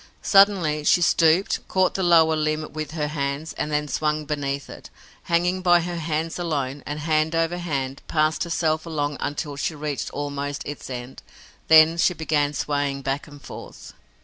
Suddenly she stooped, caught the lower limb with her hands and then swung beneath it, hanging by her hands alone, and, hand over hand, passed herself along until she reached almost its end. Then she began swaying back and forth.